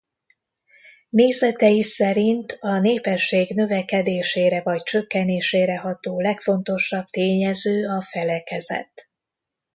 Nézetei szerint a népesség növekedésére vagy csökkenésére ható legfontosabb tényező a felekezet.